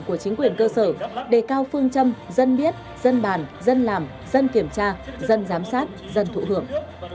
của chính quyền cơ sở đề cao phương châm dân biết dân bàn dân làm dân kiểm tra dân giám sát dân thụ hưởng